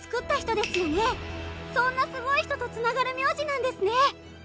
そんなすごい人と繋がる名字なんですね！